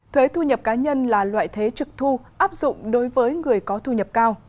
thuế thu nhập cá nhân là loại thế trực thu áp dụng đối với người có thu nhập cao